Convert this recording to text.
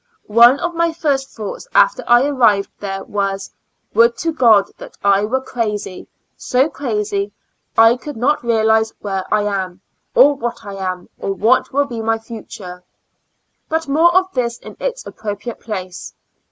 One of my first thoughts, after I arrived there, was: ^^ Would to God that I were crazy — so crazy that I could not realize where I am, or what I am, or what will be my future.'^ But more of this in its appropriate place.